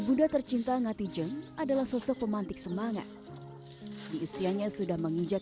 ibu da tercinta ngati jeng adalah sosok pemantik semangat diusianya sudah menginjak